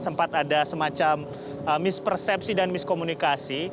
sempat ada semacam mispersepsi dan miskomunikasi